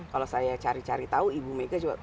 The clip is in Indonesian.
kalau saya cari cari tahu ibu mega juga tahu